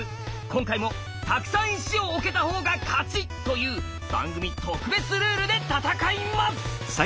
今回も「たくさん石を置けたほうが勝ち」という番組特別ルールで戦います！